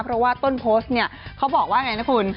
เพราะว่าต้นโพสต์เนี่ยเขาบอกว่าไงนะคุณ